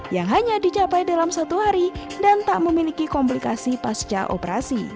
yang hanya dicapai dalam satu hari dan tak memiliki komplikasi pasca operasi